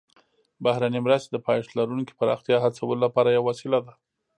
بهرنۍ مرستې د پایښت لرونکي پراختیا هڅولو لپاره یوه وسیله ده